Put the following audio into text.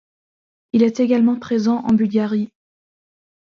Il est également présent en Bulgarie.